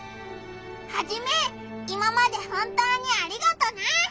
ハジメ今まで本当にありがとな！